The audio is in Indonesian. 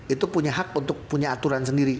itu punya hak untuk punya aturan sendiri